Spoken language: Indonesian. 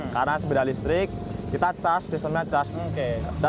karena sepeda listrik kita systemnya charge